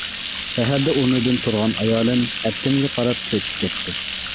سەھەردە ئورنىدىن تۇرغان ئايالىم ئەپتىمگە قاراپ چۆچۈپ كەتتى.